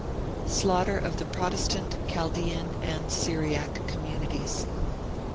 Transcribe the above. SLAUGHTER OF THE PROTESTANT, CHALDEAN AND SYRIAC COMMUNITIES.